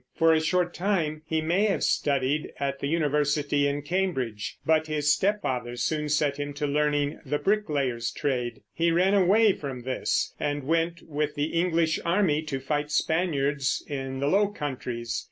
For a short time he may have studied at the university in Cambridge; but his stepfather soon set him to learning the bricklayer's trade. He ran away from this, and went with the English army to fight Spaniards in the Low Countries.